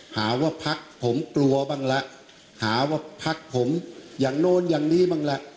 หาว่าพักผมกลัวบ้างละหาว่าพักผมอย่างโน้นอย่างนี้บ้างละ